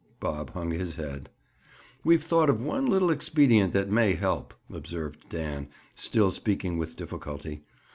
Bob hung his head. "We've thought of one little expedient that may help," observed Dan, still speaking with difficulty.